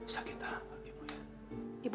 sakit apa ibu